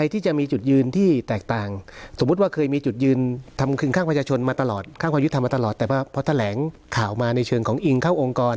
แต่ว่าเพราะถ้าแหลงข่าวมาในเชิงของอิงเข้าองค์กร